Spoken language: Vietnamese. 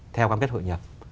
theo cam kết hội nhập